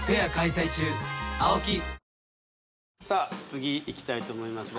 次いきたいと思います